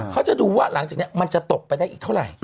เขาจะดูว่าหลังจากนี้มันจะตกไปได้อีกเท่าไหร่